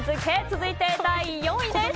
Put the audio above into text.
続いて第４位です。